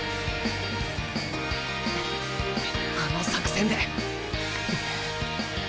あの作戦で。